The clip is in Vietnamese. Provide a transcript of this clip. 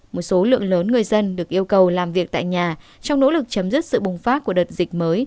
một số lượng lớn người dân được yêu cầu làm việc tại nhà trong nỗ lực chấm dứt sự bùng phát của đợt dịch mới